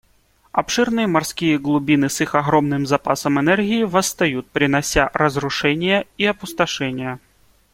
Обширные морские глубины с их огромным запасом энергии восстают, принося разрушения и опустошение.